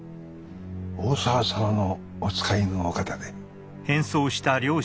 大沢様のお使いのお方で。